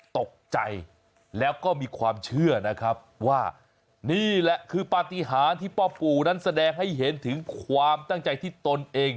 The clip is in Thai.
ตกใจแล้วก็มีความเชื่อนะครับว่านี่แหละคือปฏิหารที่พ่อปู่นั้นแสดงให้เห็นถึงความตั้งใจที่ตนเอง